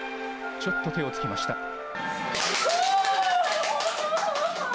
ちょっと手をつきました。